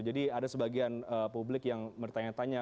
jadi ada sebagian publik yang bertanya tanya